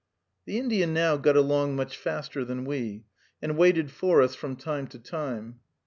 The Indian now got along much faster than we, and waited for us from time to time.